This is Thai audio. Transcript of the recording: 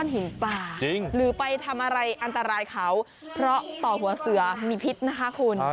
หินปลาจริงหรือไปทำอะไรอันตรายเขาเพราะต่อหัวเสือมีพิษนะคะคุณ